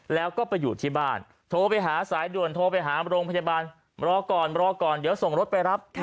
แล้วก็ไปอยู่ที่บ้านโทรไปหาสายด่วนโทรไปหาโรงพยาบาลรอก่อนรอก่อนเดี๋ยวส่งรถไปรับ